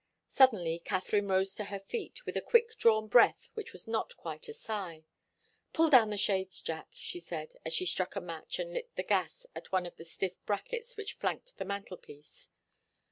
Suddenly Katharine rose to her feet, with a quick drawn breath which was not quite a sigh. "Pull down the shades, Jack," she said, as she struck a match and lit the gas at one of the stiff brackets which flanked the mantelpiece.